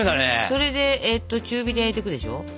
それで中火で焼いていくでしょ。